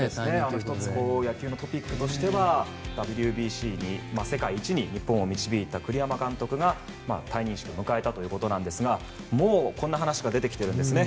１つ、野球のトピックとしてＷＢＣで、日本を世界一に日本を導いた栗山監督が退任式を迎えたということなんですがもうこんな話が出てきてるんですね。